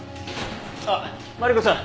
あっマリコさん